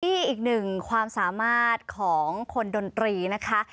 อีกหนึ่งความสามารถของคนดนตรีนะคะ